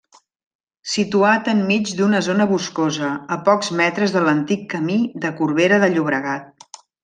Situat enmig d'una zona boscosa, a pocs metres de l'antic camí de Corbera de Llobregat.